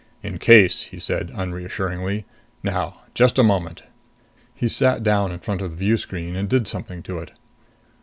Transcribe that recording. "In case," he said, unreassuringly. "Now just a moment." He sat down in front of the view screen and did something to it.